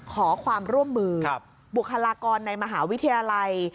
ขอความร่วมมือบุคลากรในมหาวิทยาลัย